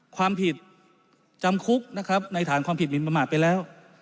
ความผิดจำคุกนะครับในฐานความผิดมินประมาทไปแล้ว